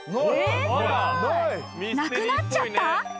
［なくなっちゃった］